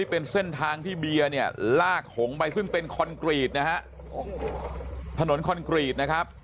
เป็นเส้นทางที่เบียร์เนี่ยลากหงไปซึ่งเป็นคอนกรีตนะฮะถนนคอนกรีตนะครับ